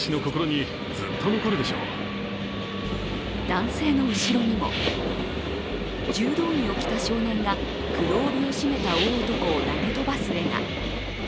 男性の後ろにも柔道着を着た少年が黒帯を締めた大男を投げ飛ばす絵が。